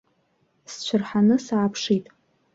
Сцәырҳаны, сааԥшит.